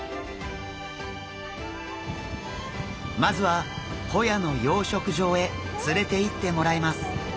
まずはホヤの養殖場へ連れていってもらいます。